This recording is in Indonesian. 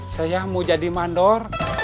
saya mau jadi mandor